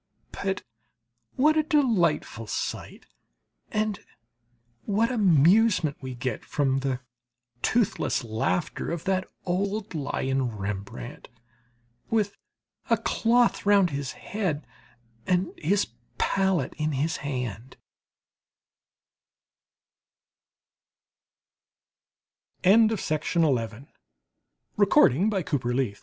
But what a delightful sight and what amusement we get from the toothless laughter of that old lion, Rembrandt, with a cloth round his head and his palette in his hand. FURTHER LETTERS TO HIS BROTHER